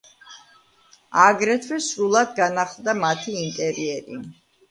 აგრეთვე სრულად განახლდა მათი ინტერიერი.